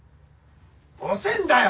遅えんだよ！